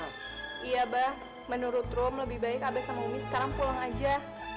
iya pak menurut rum lebih baik abis sama umi sekarang pulang aja